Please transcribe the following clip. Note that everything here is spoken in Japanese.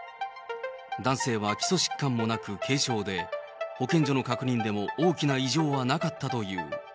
男性は基礎疾患もなく、軽症で、保健所の確認でも大きな異常はなかったという。